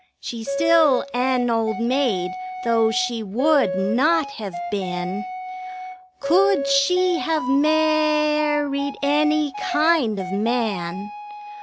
2 She's still an old maid, Though she would not have been Could she have mar ri ed any kind of man.